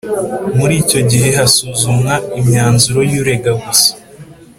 Muri icyo gihe hasuzumwa imyanzuro y urega gusa